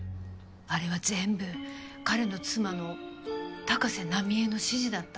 あれは全部彼の妻の高瀬奈美江の指示だった。